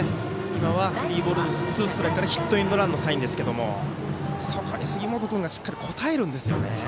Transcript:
今は、スリーボールツーストライクからヒットエンドランのサインですけどそこに杉本君がしっかり応えるんですよね。